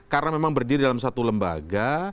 karena memang berdiri dalam satu lembaga